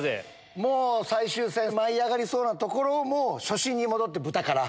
もう最終戦、舞い上がりそうなところも、もう初心に戻って、豚から。